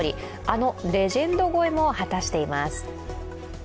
あのレジェンド超えも果たしています。